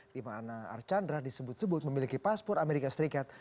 di mana archandra disebut sebut memiliki paspor amerika serikat